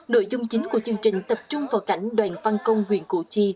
nội dung chính của chương trình tập trung vào cảnh đoàn văn công huyện cụ chi